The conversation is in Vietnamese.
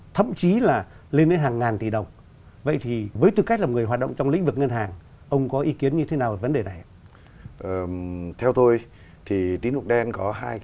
theo tôi thì tiến dụng đen có hai cái mảng